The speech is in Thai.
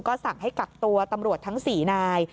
สั่งให้กักตัวตำรวจทั้ง๔นาย